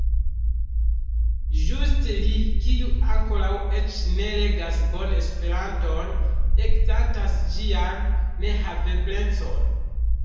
Ĝuste li, kiu ankoraŭ eĉ ne regas bone Esperanton, eksentas ĝian nehaveblecon.